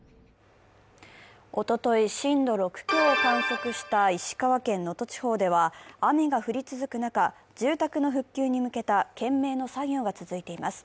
おととい震度６強を観測した石川県能登地方では、雨が降り続く中、住宅の復旧に向けた懸命の作業が続いています。